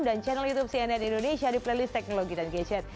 dan channel youtube cnn indonesia di playlist teknologi dan gadget